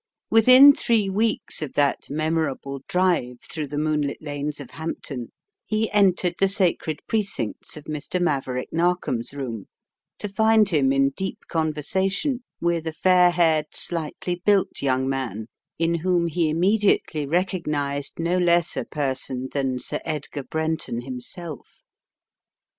Within three weeks of that mem orable drive through the moonlit lanes of Hampton he entered the sacred precincts of Mr. Maverick Narkom's room to find him in deep conversation with a fair haired, slightly built young man in whom he immediately recognized no less a person than Sir Edgar Brenton himself.